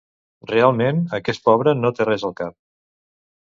Realment aquest pobre no té res al cap!